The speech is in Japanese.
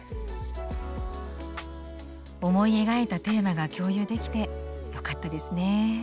思い描いたテーマが共有できてよかったですね。